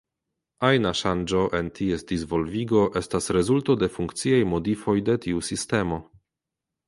Ajna ŝanĝo en ties disvolvigo estas rezulto de funkciaj modifoj de tiu sistemo.